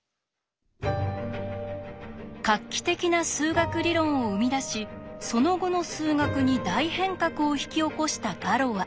画期的な数学理論を生み出しその後の数学に大変革を引き起こしたガロア。